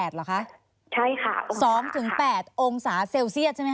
ใช่ค่ะใช่ค่ะ๒๘องศาเซลเซียสใช่ไหมค